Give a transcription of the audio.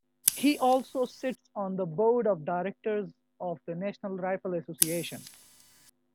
He also sits on the Board of Directors of the National Rifle Association.